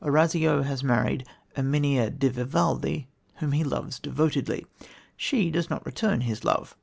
Orazio has married Erminia di Vivaldi, whom he loves devotedly. She does not return his love.